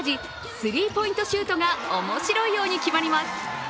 スリーポイントシュートが面白いように決まります。